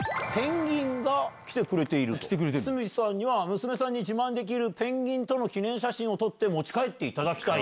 堤さんには娘さんに自慢できるぺんぎん？と記念写真を撮って持ち帰っていただきたい。